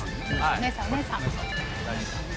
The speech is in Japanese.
お姉さんお姉さん。